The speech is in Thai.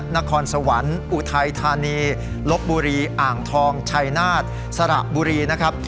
นครสวรรค์อุทัยธานีลบบุรีอ่างทองชัยนาฏสระบุรีนะครับ